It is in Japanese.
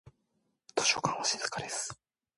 図書館は静かです。